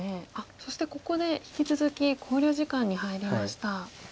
そしてここで引き続き考慮時間に入りました。